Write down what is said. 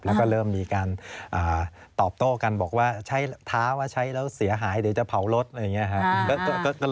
แล้วก็เริ่มมีการตอบโต้กันบอกว่าใช้ท้าว่าใช้แล้วเสียหายเดี๋ยวจะเผารถอะไรอย่างนี้ครับ